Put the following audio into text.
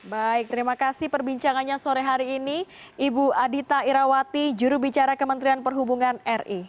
baik terima kasih perbincangannya sore hari ini ibu adita irawati jurubicara kementerian perhubungan ri